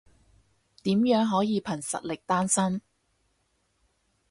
點樣可以憑實力單身？